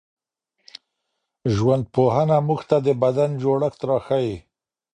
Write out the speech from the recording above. ژوندپوهنه موږ ته د بدن جوړښت راښيي.